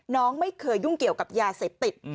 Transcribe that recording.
น้องไม่เคยยุ่งเกี่ยวกับยาเสพติด